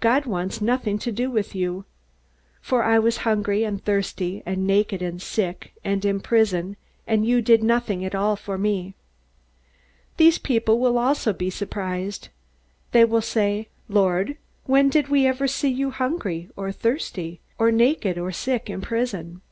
God wants nothing to do with you! For I was hungry, and thirsty, and naked, and sick, and in prison, and you did nothing at all for me.' "These people will also be surprised. They will say: 'Lord, when did we ever see you hungry, or thirsty, or naked, or sick, or in prison?